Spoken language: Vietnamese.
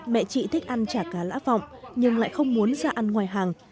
mẹ chị thích ăn chả cá lã vọng nhưng lại không muốn ra ăn ngoài hàng